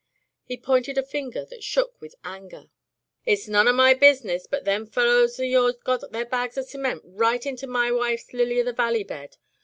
He pointed a finger that shook with anger. "It's none of my business, but them fel lows o' your'n got dieir bags of cement right onto my wife's lily o' the valley bed.